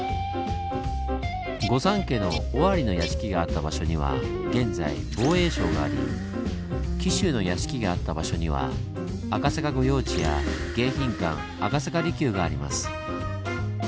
御三家の尾張の屋敷があった場所には現在防衛省があり紀州の屋敷があった場所には赤坂御用地や迎賓館赤坂離宮があります。